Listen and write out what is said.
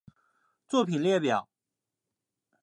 作品列表